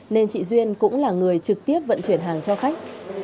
nên chị duyên cũng là người trực tiếp vận chuyển hàng cho khách